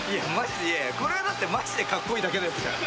これはだってマジでかっこいいだけのやつじゃん。